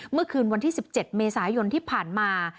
เมื่อคืนวันที่๑๗เมษายนที่ผ่านมา